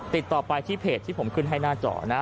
ติดต่อไปที่เพจที่ผมขึ้นให้หน้าจอนะ